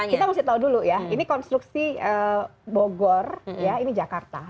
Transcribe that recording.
kita mesti tahu dulu ya ini konstruksi bogor ya ini jakarta